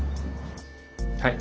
はい。